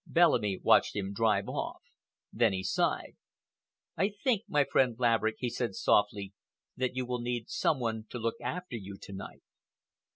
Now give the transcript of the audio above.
Bellamy watched him drive off. Then he sighed. "I think, my friend Laverick," he said softly, "that you will need some one to look after you to night."